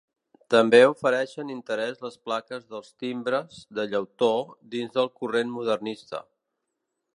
També ofereixen interès les plaques dels timbres, de llautó, dins del corrent modernista.